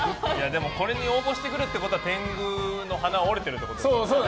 これに応募してくるってことは天狗の鼻は折れてるってことですからね。